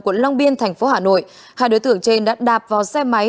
quận long biên thành phố hà nội hai đối tượng trên đã đạp vào xe máy